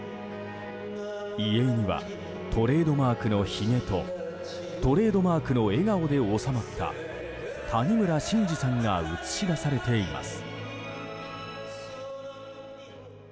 遺影にはトレードマークのひげとトレードマークの笑顔で収まった谷村新司さんが写し出されています。